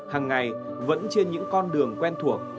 hằng ngày vẫn trên những con đường quen thuộc